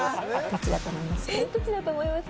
どっちだと思います？